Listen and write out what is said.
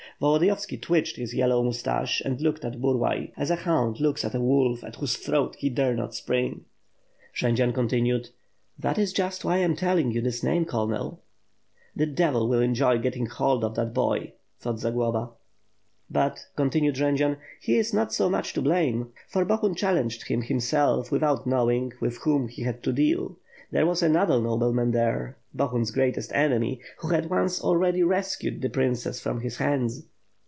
Volodiyovski twitched his yellow moustache and looked at Burlay, as a hound looks at the wolf at whose throat he dare not spring. Jendzian continued, ^That is just why I am telling you his name, colonel." "The devil will enjoy getting hold of that boy," thought Zagloba. "But," contiued Jendzian, 'Tie is not so much to blame; for Bohun challenged him, himself, without knowing with whom he had to deal. There was another nobleman there, Bohun's greatest enemy; who hand once already rescued the princess from his hands."